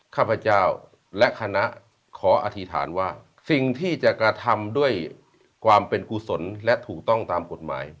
ข้าพเจ้าและคณะขออธิษฐานว่าสิ่งที่จะกระทำด้วยความเป็นกุศลและถูกต้องตามกฎหมาย